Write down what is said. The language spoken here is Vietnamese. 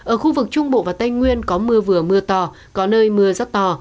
ở khu vực trung bộ và tây nguyên có mưa vừa mưa to có nơi mưa rất to